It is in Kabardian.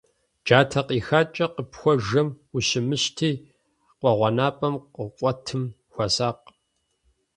Джатэ къихакӀэ къыпхуэжэм ущымыщти, къуэгъэнапӀэм къыкъуэтым хуэсакъ.